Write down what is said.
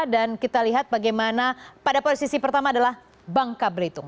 dan kita lihat bagaimana pada posisi pertama adalah bank kabritung